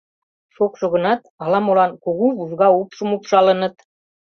Шокшо гынат, ала-молан кугу вужга упшым упшалыныт.